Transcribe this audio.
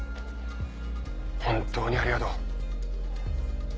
本当にありがとう。